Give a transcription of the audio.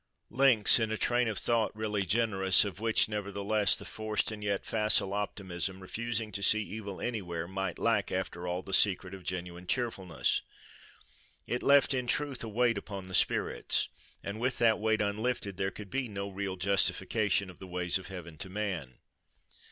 + —Links, in a train of thought really generous! of which, nevertheless, the forced and yet facile optimism, refusing to see evil anywhere, might lack, after all, the secret of genuine cheerfulness. It left in truth a weight upon the spirits; and with that weight unlifted, there could be no real justification of the ways of Heaven to man.